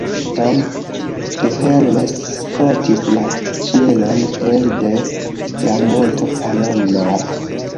Tom Gehrels fotis la ĉielon elde la Monto Palomar.